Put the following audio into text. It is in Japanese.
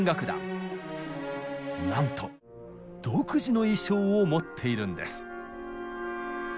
なんと独自の衣装を持っているんです。